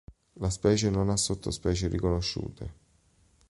La specie non ha sottospecie riconosciute.